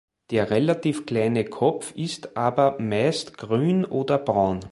Der relativ kleine Kopf ist aber meist grün oder braun.